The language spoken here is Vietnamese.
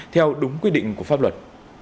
theo đúng quy định của pháp luật